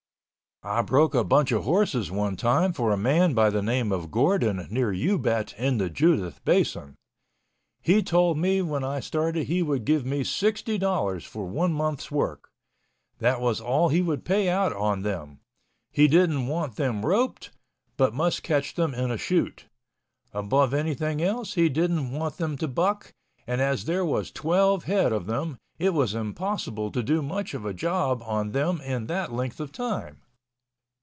I broke a bunch of horses one time for a man by the name of Gordon near Ubet in the Judith Basin. He told me when I started he would give me sixty dollars for one month's work—that was all he would pay out on them. He didn't want them roped, but must catch them in a chute. Above anything else, he didn't want them to buck, and as there was twelve head of them, it was impossible to do much of a job on them in that length of time.